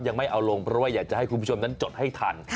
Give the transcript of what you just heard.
ยังไม่เอาลงเพราะว่าอยากจะให้คุณผู้ชมนั้นจดให้ทัน